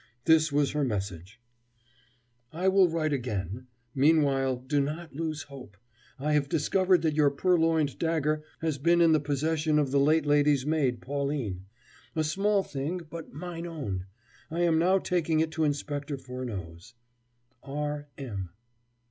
This was her message: I will write again. Meantime, do not lose hope! I have discovered that your purloined dagger has been in the possession of the late lady's maid, Pauline. "A small thing, but mine own!" I am now taking it to Inspector Furneaux's. R. M.